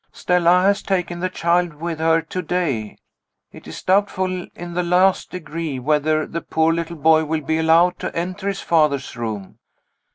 "Stella has taken the child with her to day. It is doubtful in the last degree whether the poor little boy will be allowed to enter his father's room.